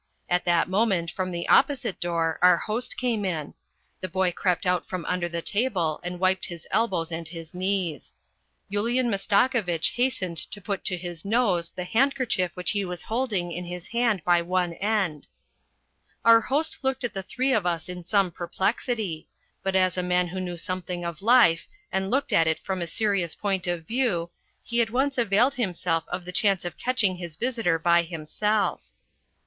At that moment from the opposite door our host came in. The boy crept out from under the table and wiped his elbows and his knees. Yulian Masta kovitch hastened to put to his nose the handkerchief which he was holding in his hand by one end. Our host looked at the three of us in some perplexity; but as a man who knew something of life, and looked at it from a serious point of view, he at once availed himself of the chance of catching his visitor by himself.